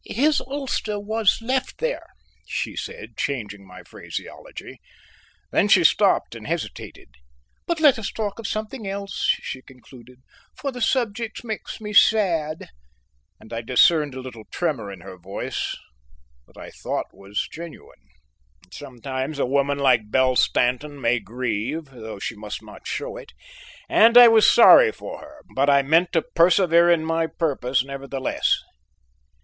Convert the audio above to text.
"His ulster was left there," she said, changing my phraseology; then she stopped and hesitated; "but let us talk of something else," she concluded, "for the subject makes me sad," and I discerned a little tremor in her voice that I thought was genuine. Sometimes a woman like Belle Stanton may grieve, though she must not show it, and I was sorry for her, but I meant to persevere in my purpose, nevertheless.